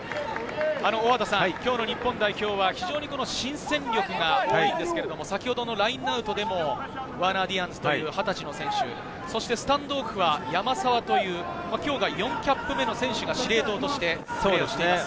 今日の日本代表は非常に新鮮力が多いんですけれど、先ほどのラインアウトでもワーナー・ディアンズという２０歳の選手、そしてスタンドオフは山沢という今日が４キャップ目の選手が司令塔としてプレーをしています。